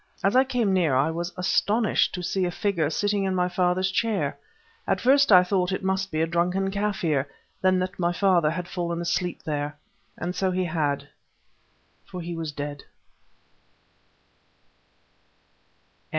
As I came near I was astonished to see a figure sitting in my father's chair. At first I thought it must be a drunken Kaffir, then that my father had fallen asleep there. And so he had,—for he was dead!